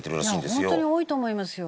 本当に多いと思いますよ。